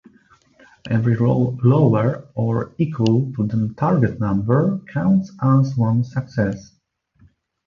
Every roll lower or equal to the target number counts as one success.